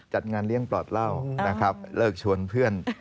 จัดงานเลี้ยงปลอดเล่าเลิกชวนเพื่อน